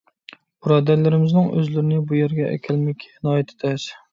بۇرادەرلىرىمىزنىڭ ئۆزلىرىنى بۇ يەرگە ئەكەلمىكى ناھايىتى تەس.